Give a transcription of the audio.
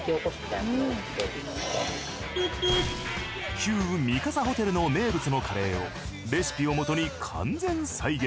旧三笠ホテルの名物のカレーをレシピを基に完全再現。